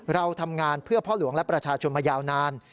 เราทำงานเพื่อพ่อหลวงและประชาชนมายาวนาน